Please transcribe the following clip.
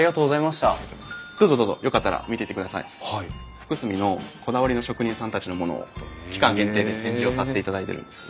福住のこだわりの職人さんたちのものを期間限定で展示をさせていただいてるんです。